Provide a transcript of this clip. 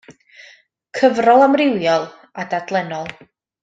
Cyfrol amrywiol, a dadlennol.